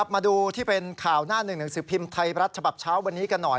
มาดูที่เป็นข่าวหน้า๑๑๑๐พิมพ์ไทยรัชภาพเช้าวันนี้กันหน่อย